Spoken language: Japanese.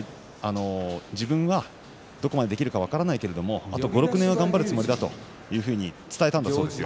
自分は、どこまでできるか分からないけれどもあと５、６年は頑張るつもりだというふうに伝えたそうです。